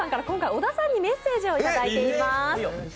小田さんにメッセージをいただいています。